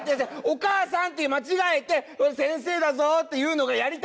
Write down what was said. お母さんって間違えて先生だぞっていうのがやりたいんだよ。